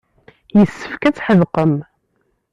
Yessefk ad tḥedqem.